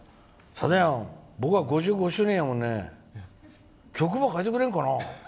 さだやん、僕は５５周年の曲ば変えてくれんかね。